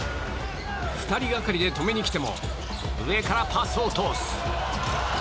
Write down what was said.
２人がかりで止めにきても上からパスを通す。